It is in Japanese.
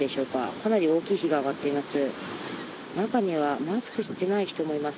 かなり大きい火が上がっています。